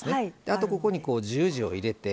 あとここに十字を入れて。